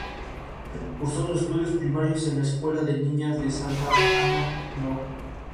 Cursó sus estudios primarios en la Escuela de Niñas de Santa Ana No.